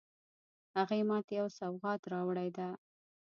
هغې ما ته یو سوغات راوړی ده